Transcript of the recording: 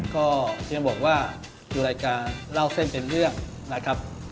ก็ยังบอกว่าดูรายการเล่าเส้นเป็นเรื่องนะครับ